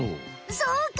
そうか！